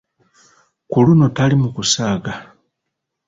Ku luno tali mu kusaaga.